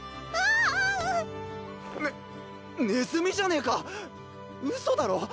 ねねずみじゃねえかウソだろ！？